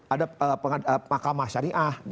ada makamah syariah